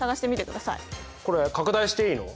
これ拡大していいの？